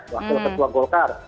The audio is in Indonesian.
waktu ketua golkar